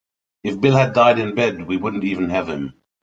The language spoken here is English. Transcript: If Bill had died in bed we wouldn't even have him.